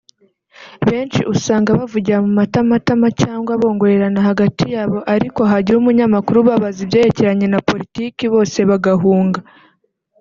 Benshi usanga bavugira mu matamatama cyangwa bongorerana hagati yabo ariko hagira umunyamakuru ubabaza ibyerekeranye na politiki bose bagahunga